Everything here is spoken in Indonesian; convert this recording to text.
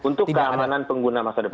untuk keamanan pengguna masa depan